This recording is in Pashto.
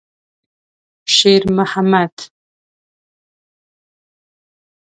شېرمحمد.